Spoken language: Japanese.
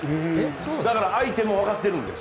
だから相手も分かってるんです。